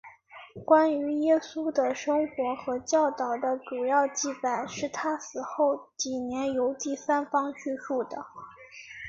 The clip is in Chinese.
关于耶稣的生活和教导的主要记载是他死后几年由第三方叙述的。